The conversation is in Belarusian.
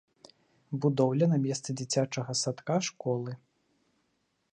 Будоўля на месцы дзіцячага садка-школы.